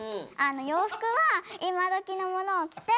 洋服は今どきのものを着て。